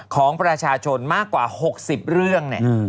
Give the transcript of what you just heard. ของประชาชนมากกว่า๖๐เรื่องเนี่ย